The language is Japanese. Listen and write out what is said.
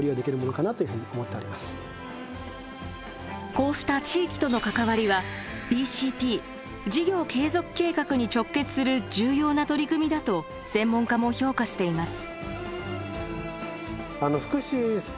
こうした地域との関わりはＢＣＰ事業継続計画に直結する重要な取り組みだと専門家も評価しています。